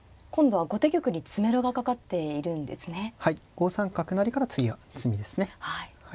５三角成から次は詰みですね。